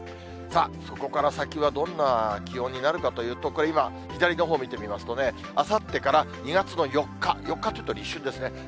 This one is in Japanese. そこから先はどんな気温になるかというと、これ、今、左のほう見てみますとね、あさってから２月の４日、４日、ちょっと立春ですね。